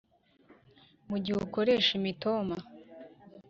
mu gihe ukoresha imitoma,